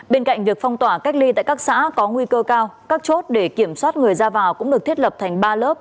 bên cạnh việc phong tỏa cách ly tại các xã có nguy cơ cao các chốt để kiểm soát người ra vào cũng được thiết lập thành ba lớp